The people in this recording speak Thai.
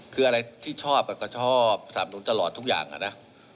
คืออะไรที่ชอบก็ชอบสนับหนุนตลอดทุกอย่างอะนะ